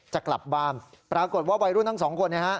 จะกลับบ้านปรากฏว่าวัยรุ่นทั้งสองคน